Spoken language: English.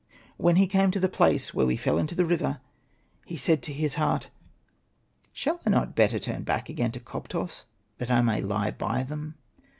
When he was come to the place where we fell REMORSE. into the river, he said to his heart, ' Shall I not better turn back again to Koptos, that I may lie by them